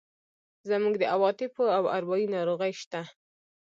زموږ د عواطفو او اروایي ناروغۍ شته.